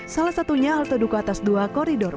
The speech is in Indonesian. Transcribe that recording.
salah satunya halte duku atas dua koridor empat